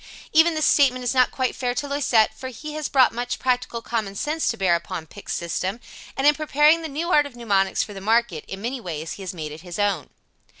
Even this statement is not quite fair to Loisette, for he has brought much practical common sense to bear upon Pick's system, and, in preparing the new art of mnemonics for the market, in many ways he has made it his own.